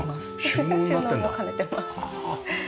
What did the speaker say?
収納も兼ねてます。